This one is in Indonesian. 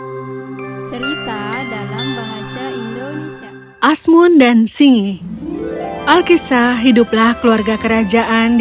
hai cerita dalam bahasa indonesia asmun dan singi alkisah hiduplah keluarga kerajaan di